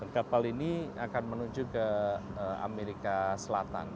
kapal ini akan menuju ke amerika selatan